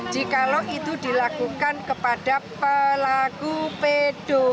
jika lo itu dilakukan kepada pelaku pbi